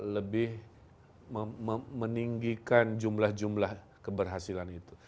lebih meninggikan jumlah jumlah keberhasilan itu